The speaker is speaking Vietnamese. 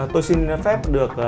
tôi xin phép được